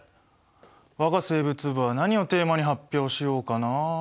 我が生物部は何をテーマに発表しようかなあ。